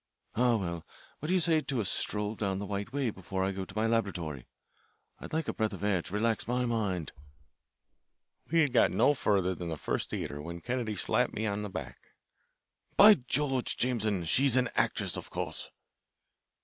Ah, well, what do you say to a stroll down the White Way before I go to my laboratory? I'd like a breath of air to relax my mind." We had got no further than the first theatre when Kennedy slapped me on the back. "By George, Jameson, she's an actress, of course."